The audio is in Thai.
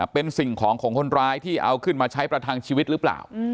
เป็นสิ่งของของคนร้ายที่เอาขึ้นมาใช้ประทังชีวิตหรือเปล่า